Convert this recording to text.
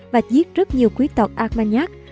và giết rất nhiều quý tộc armaniac